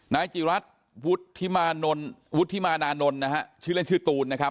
นายจิรัตน์วุฒิมานานนท์ชื่อเล่นชื่อตูนนะครับ